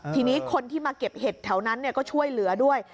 ทีนี้คนที่มาเก็บเห็ดแถวนั้นก็ช่วยเหลือด้วย